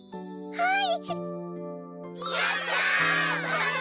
はい？